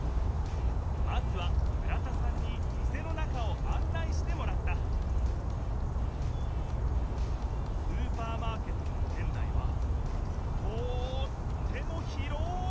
まずは村田さんに店の中をあん内してもらったスーパーマーケットの店内はとっても広い！